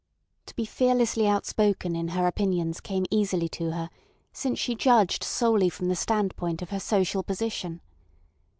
To be fearlessly outspoken in her opinions came easily to her, since she judged solely from the standpoint of her social position.